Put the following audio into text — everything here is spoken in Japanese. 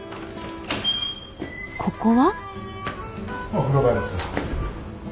ここは？